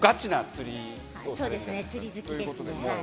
釣り好きですね。